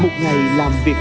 một ngày làm việc